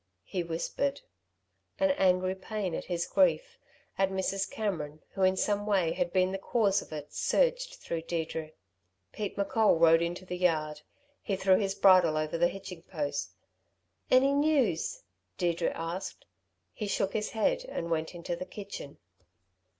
he whispered. An angry pain at his grief, at Mrs. Cameron who in some way had been the cause of it, surged through Deirdre. Pete M'Coll rode into the yard. He threw his bridle over the hitching post. "Any news?" Deirdre asked. He shook his head and went into the kitchen.